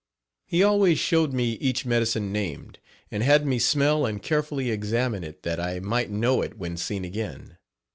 He always showed me each medicine named and had me smell and carefully examine it that I might know it when seen again.